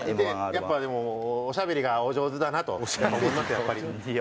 やっぱでもおしゃべりがお上手だなと思いますよ